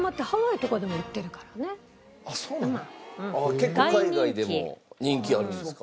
結構海外でも人気あるんですか？